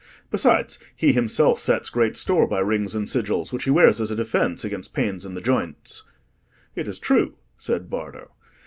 Besides, he himself sets great store by rings and sigils, which he wears as a defence against pains in the joints." "It is true," said Bardo.